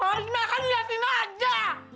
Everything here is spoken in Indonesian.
harus makan di sini aja